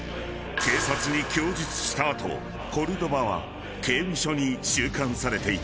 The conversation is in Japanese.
［警察に供述した後コルドバは刑務所に収監されていた］